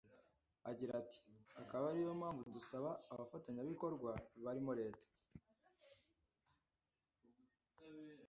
Agira ati “ Akaba ari yo mpamvu dusaba abafatanyabikorwa barimo Leta